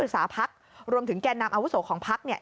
ประธานสภาธิบรึกษาภักดิ์รวมถึงแก่นำอาวุศวของภักดิ์